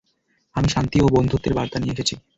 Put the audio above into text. আমি শান্তি ও বন্ধুত্বের বার্তা নিয়ে এসেছি।